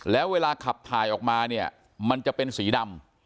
แล้วเวลาขับถ่ายออกมาเนี่ยมันจะเป็นสีดำ